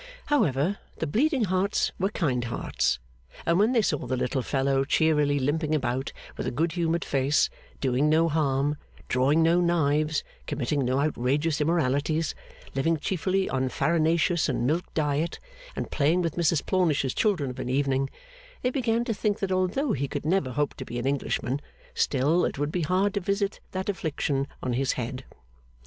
However, the Bleeding Hearts were kind hearts; and when they saw the little fellow cheerily limping about with a good humoured face, doing no harm, drawing no knives, committing no outrageous immoralities, living chiefly on farinaceous and milk diet, and playing with Mrs Plornish's children of an evening, they began to think that although he could never hope to be an Englishman, still it would be hard to visit that affliction on his head.